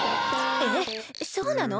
えっそうなの？